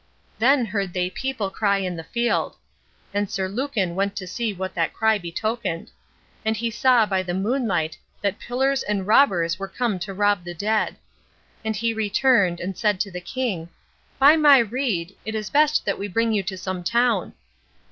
Then heard they people cry in the field. And Sir Lucan went to see what that cry betokened; and he saw by the moonlight that pillers and robbers were come to rob the dead. And he returned, and said to the king, "By my rede, it is best that we bring you to some town."